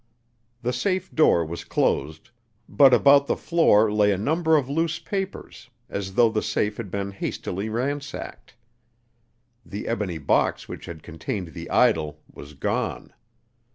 The safe door was closed, but about the floor lay a number of loose papers, as though the safe had been hastily ransacked. The ebony box which had contained the idol was gone.